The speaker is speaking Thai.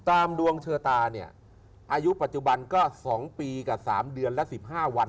ตามดวงชะตาเนี่ยอายุปัจจุบันก็๒ปีกับ๓เดือนและ๑๕วัน